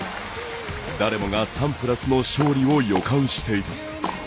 誰もがサンプラスの勝利を予感していた。